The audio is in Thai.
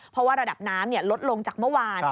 เพราะว่าระดับน้ำลดลงจากเมื่อวาน